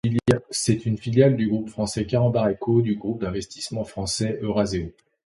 C'est une filiale du groupe français Carambar & Co du groupe d'investissement français Eurazeo.